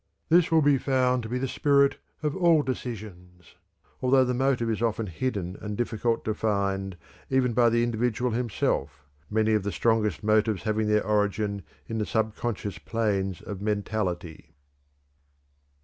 This will be found to be the spirit of all decisions, although the motive is often hidden and difficult to find even by the individual himself, many of the strongest motives having their origin in the subconscious planes of mentality.